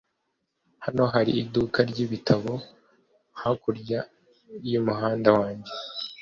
hano hari iduka ryibitabo hakurya y'umuhanda wanjye